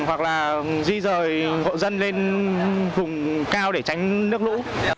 hoặc là di rời hộ dân lên vùng cao để tránh nước lũ